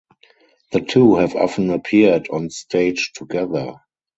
The two have often appeared on stage together.